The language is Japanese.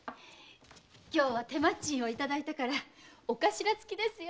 今日は手間賃をいただいたから尾頭付きですよ。